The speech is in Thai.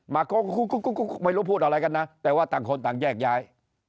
ไม่รู้พูดอะไรกันนะแต่ว่าต่างคนต่างแยกย้าย